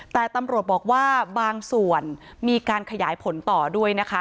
แต่ตำรวจบอกว่าบางส่วนมีการขยายผลต่อด้วยนะคะ